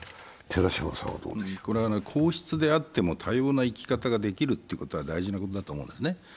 皇室であっても多様な生き方ができるというのは、大事なことだと思うんですね。